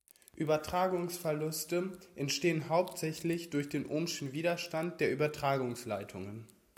Übertragungsverluste entstehen hauptsächlich durch den Ohmschen Widerstand der Übertragungsleitungen.